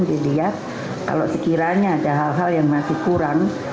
dilihat kalau sekiranya ada hal hal yang masih kurang